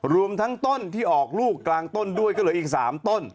รวมทั้งต้นที่ออกลูกกลางต้นด้วยก็เหลืออีก๓ต้น